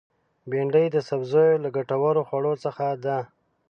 بېنډۍ د سبزیو له ګټورو خوړو څخه ده